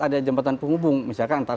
ada jembatan penghubung misalkan